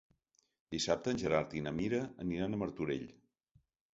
Dissabte en Gerard i na Mira aniran a Martorell.